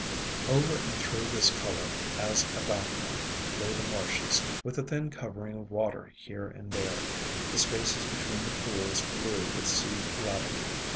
Over and through this color, as a background, lay the marshes, with a thin covering of water here and there, the spaces between the pools blue with Sea Lavender.